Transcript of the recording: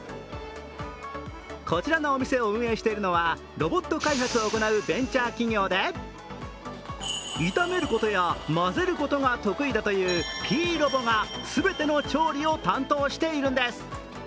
こちらのお店を運営しているのはロボット開発を行うベンチャー企業で炒めることや混ぜることが得意だというＰ−Ｒｏｂｏが全ての調理を担当しているんです。